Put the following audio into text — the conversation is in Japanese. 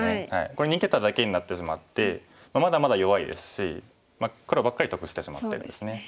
これ逃げただけになってしまってまだまだ弱いですし黒ばっかり得してしまってるんですね。